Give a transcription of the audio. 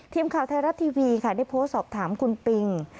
ทีมข่าวไทยรัฐทีวีค่ะได้โพสต์สอบถามคุณปิง